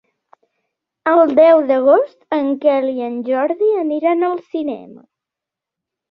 El deu d'agost en Quel i en Jordi aniran al cinema.